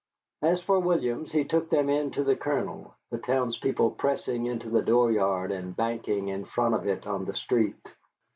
As for Williams, he took them in to the Colonel, the townspeople pressing into the door yard and banking in front of it on the street.